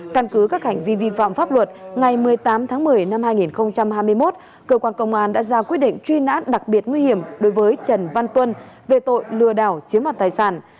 căn cứ các hành vi vi phạm pháp luật ngày một mươi tám tháng một mươi năm hai nghìn hai mươi một cơ quan công an đã ra quyết định truy nã đặc biệt nguy hiểm đối với trần văn tuân về tội lừa đảo chiếm hoạt tài sản